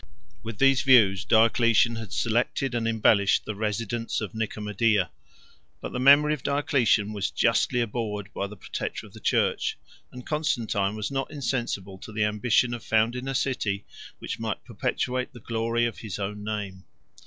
With these views, Diocletian had selected and embellished the residence of Nicomedia: but the memory of Diocletian was justly abhorred by the protector of the church: and Constantine was not insensible to the ambition of founding a city which might perpetuate the glory of his own name.